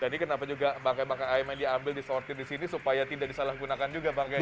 jadi kenapa juga bangkai bangkai ayam ini diambil disortir disini supaya tidak disalah gunakan juga bangkainya nanti